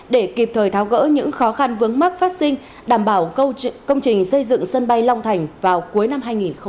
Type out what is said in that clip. để kịp thời tháo gỡ những khó khăn vướng mắc phát sinh đảm bảo công trình xây dựng sân bay long thành vào cuối năm hai nghìn hai mươi